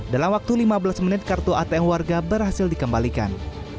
dalam waktu lima belas menit kartu atm warga berhasil dikembalikan